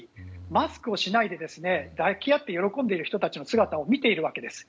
マスクをしないで抱き合って喜んでいる人たちの姿を見ているわけです。